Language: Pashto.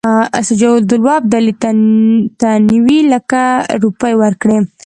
شجاع الدوله ابدالي ته نیوي لکه روپۍ ورکړي دي.